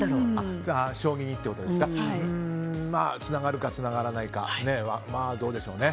つながるかつながらないかどうでしょうね。